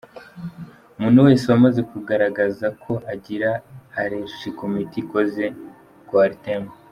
Umuntu wese wamaze kugaragaza ko agira arerigi ku miti ikoze coartem.